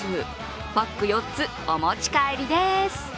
パック４つお持ち帰りです。